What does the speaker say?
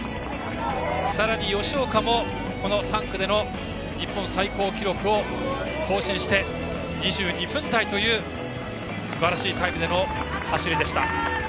さらに吉岡も３区での日本最高記録を更新して２２分台というすばらしいタイムでの走りでした。